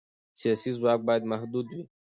سیاسي ځواک باید محدود وي